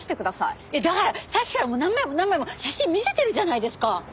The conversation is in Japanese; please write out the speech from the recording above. いやだからさっきからもう何枚も何枚も写真見せてるじゃないですか！